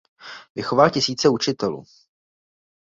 Vychoval tisíce učitelů.